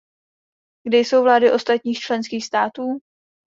Kde jsou vlády ostatních členských států?